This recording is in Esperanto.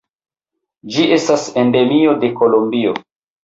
Ĝi estas endemio de Kolombio.